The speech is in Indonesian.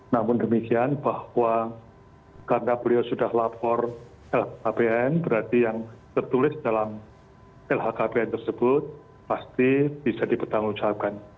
namun demikian bahwa karena beliau sudah lapor lhkpn berarti yang tertulis dalam lhkpn tersebut pasti bisa dipertanggungjawabkan